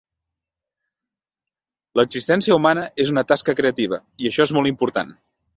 L'existència humana és una tasca creativa, i això és molt important.